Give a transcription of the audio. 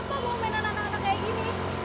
buat apa mau mainan rata rata kayak gini